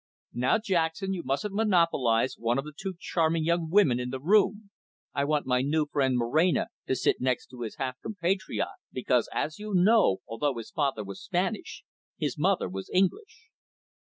"Now, Jackson, you mustn't monopolise one of the two charming young women in the room. I want my new friend, Moreno, to sit next his half compatriot, because, as you know, although his father was Spanish, his mother was English."